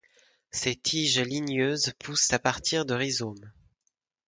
Ses tiges ligneuses poussent à partir de rhizomes.